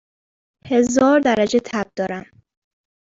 هزار درجه تب دارم